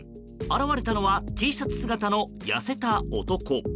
現れたのはＴシャツ姿の痩せた男。